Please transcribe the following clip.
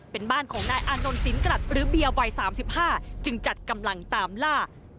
เป็นบ้านของนายอานนท์สินกลัดหรือเบียร์วัย๓๕จึงจัดกำลังตามล่า